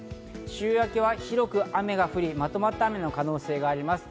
週明けは広く雨が降り、まとまった雨の可能性があります。